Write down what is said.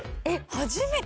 初めて。